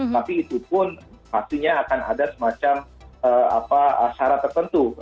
tapi itu pun pastinya akan ada semacam syarat tertentu